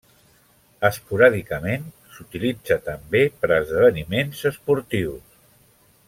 Esporàdicament s'utilitza també per a esdeveniments esportius.